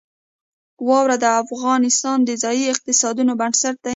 واوره د افغانستان د ځایي اقتصادونو بنسټ دی.